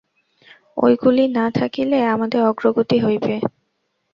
ঐগুলি না থাকিলেও আমাদের অগ্রগতি হইবে।